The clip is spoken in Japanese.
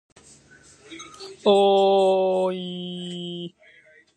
おおおいいいいいい